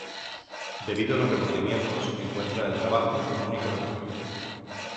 Debido a los remordimientos encuentra en el trabajo un único refugio.